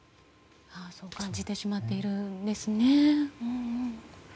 そう感じてしまっているんですね。